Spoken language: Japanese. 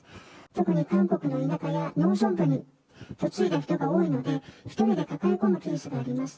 特に韓国のいなかや農村部に嫁いだ人が多いので、１人で抱え込むケースがあります。